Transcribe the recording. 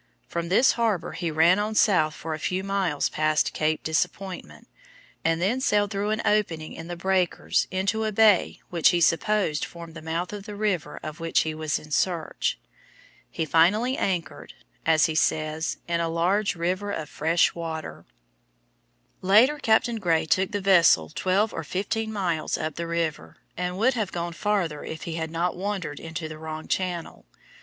From this harbor he ran on south for a few miles past Cape Disappointment, and then sailed through an opening in the breakers into a bay which he supposed formed the mouth of the river of which he was in search. He finally anchored, as he says, "in a large river of fresh water." [Illustration: FIG. 39. A SCENE ON GRAY'S HARBOR, WASHINGTON Showing sawmills and log booms] Later Captain Gray took the vessel twelve or fifteen miles up the river, and would have gone farther if he had not wandered into the wrong channel.